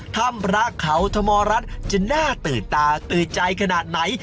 ธรรมราคาวธมรรดิ์จะน่าตื่นตาตื่นใจขนาดไหน